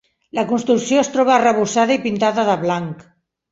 La construcció es troba arrebossada i pintada de blanc.